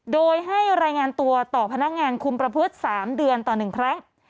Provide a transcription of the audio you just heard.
โดยให้รายงานตัวต่อพนักงานคุมประพฤติ๓เดือนต่อ๑ครั้ง